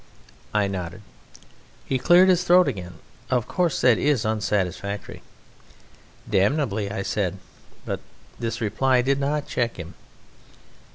I nodded. He cleared his throat again. "Of course, that is unsatisfactory." "Damnably!" said I, but this reply did not check him.